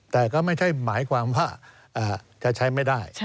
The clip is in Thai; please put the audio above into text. แต่ก็ไม่ใช่หมายความว่าจะใช้ไม่ได้